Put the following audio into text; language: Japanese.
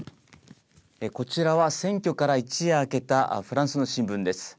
こちらは選挙から一夜明けたフランスの新聞です。